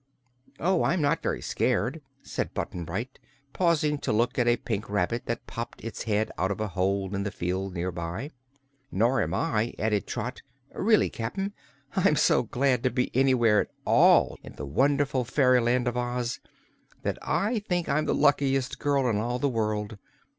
"Oh, I'm not very scared," said Button Bright, pausing to look at a pink rabbit that popped its head out of a hole in the field near by. "Nor am I," added Trot. "Really, Cap'n, I'm so glad to be anywhere at all in the wonderful fairyland of Oz that I think I'm the luckiest girl in all the world.